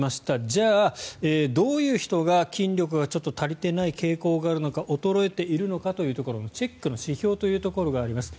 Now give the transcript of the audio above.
じゃあどういう人が筋力が足りてない傾向があるのか衰えているのかというところのチェックの指標があります。